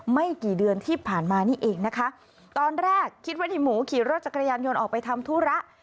ไม่กี่เดือนที่ผ่านมานี่เองนะคะตอนแรกคิดว่าในหมูขี่รถจักรยานยนต์ออกไปทำธุระ